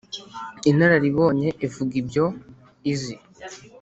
inararibonye ivuga ibyo izi.